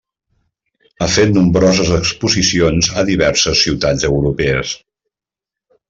Ha fet nombroses exposicions a diverses ciutats europees.